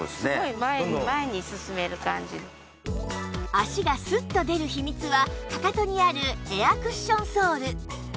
足がすっと出る秘密はかかとにあるエアクッションソール